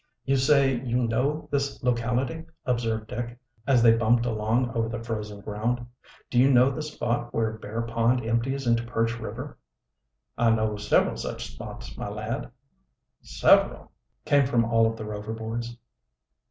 "You say you know this locality," observed Dick, as they bumped along over the frozen ground. "Do you know the spot where Bear Pond empties into Perch River?" "I know several such spots, my lad." "Several!" came from all of the Rover boys.